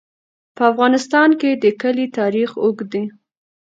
په افغانستان کې د کلي تاریخ اوږد دی.